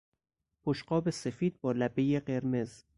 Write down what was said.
بشقاب سفید با لبهی قرمز